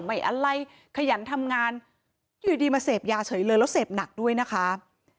ไม่อะไรขยันทำงานอยู่ดีมาเสพยาเฉยเลยแล้วเสพหนักด้วยนะคะ